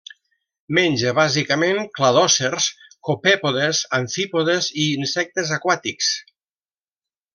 Menja bàsicament cladòcers, copèpodes, amfípodes i insectes aquàtics.